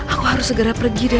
aku harus segera pergi dari sini